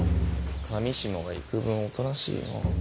裃が幾分おとなしいの。